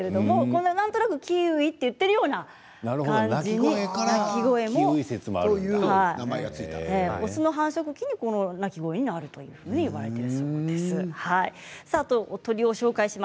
なんとなくキウイと言っているような感じで雄の繁殖期に、この鳴き声で鳴くといわれています。